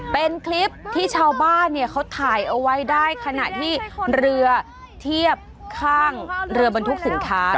เป็นคลิปที่ชาวบ้านเนี่ยเขาถ่ายเอาไว้ได้ขณะที่เรือเทียบข้างเรือบรรทุกสินค้า